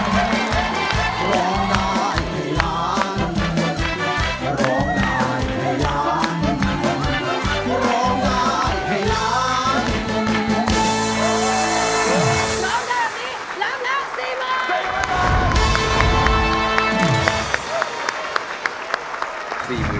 ร้องได้ให้ล้าน